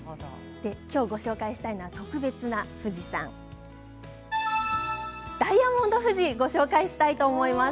今日、ご紹介したいのは特別な富士山ダイヤモンド富士、ご紹介したいと思います。